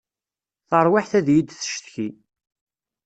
Tarwiḥt ad yi-d-tcetki.